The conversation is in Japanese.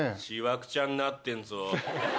しわくちゃになってんぞ。